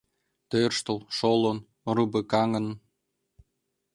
Тӧрштыл, шолын, румбыкаҥын